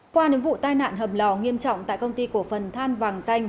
qua nếm vụ tai nạn hầm lò nghiêm trọng tại công ty cổ phần than vàng danh